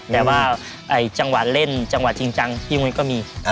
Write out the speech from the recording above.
แต่ว่าจังหวะเล่นจังหวะจริงจังพี่มุ้ยก็มี